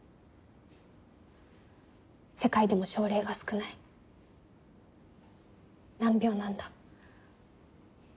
世界でも症例が少ない難病なんだ。